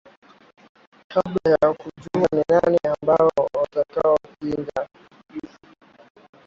kabla ya kujua nani ni nani ambao watakao tinga